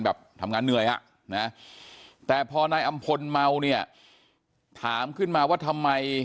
แบบทำงานเหนื่อยอ่ะนะแต่พอนายอำพลเมาเนี่ยถามขึ้นมาว่าทำไม